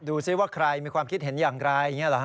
ดูซิว่าใครมีความคิดเห็นอย่างไร